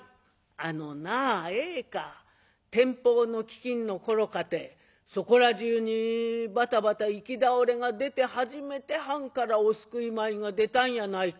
「あのなええか天保の飢饉の頃かてそこらじゅうにバタバタ行き倒れが出て初めて藩からお救い米が出たんやないか」。